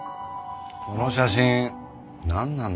この写真なんなんだろうな？